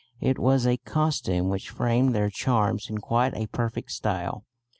It was a costume which framed their charms in quite a perfect style.